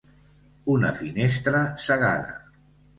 Una finestra cegada.